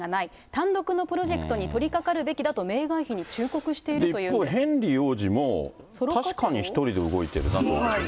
単独のプロジェクトに取りかかるべきだとメーガン妃に忠告してい一方、ヘンリー王子も、確かに１人で動いてるなということで。